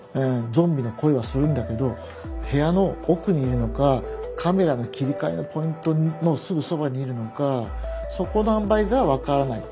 ゾンビの声はするんだけど部屋の奥にいるのかカメラの切り替えのポイントのすぐそばにいるのかそこのあんばいが分からない。